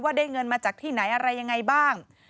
ได้เงินมาจากที่ไหนอะไรยังไงบ้าง